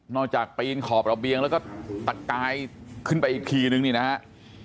จากปีนขอบระเบียงแล้วก็ตะกายขึ้นไปอีกทีนึงนี่นะครับ